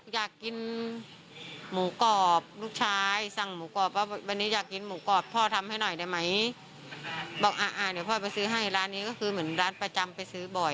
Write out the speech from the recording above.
ว่าหูว่าหูก็เลยแบบมีปากเสียงกันอะไร